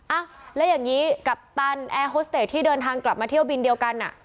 อ่ะแล้วอย่างนี้กัปตันแอร์โฮสเตจที่เดินทางกลับมาเที่ยวบินเดียวกันอ่ะ